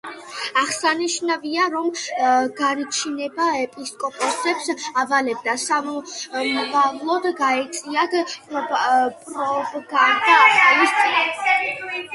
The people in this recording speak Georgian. აღსანიშნავია, რომ განჩინება ეპისკოპოსებს ავალებდა, სამომავლოდ გაეწიათ პროპაგანდა ახალი სტილის, შესწორებული იულიუსის კალენდრის სასარგებლოდ.